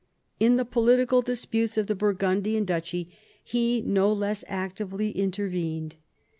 In the political disputes of the Burgundian duchy he no less actively intervened.